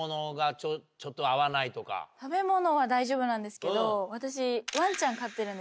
食べ物は大丈夫なんですけど私。